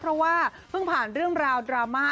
เพราะว่าเพิ่งผ่านเรื่องราวดราม่า